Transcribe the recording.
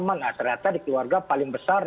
aman nah ternyata dikeluargaan paling besar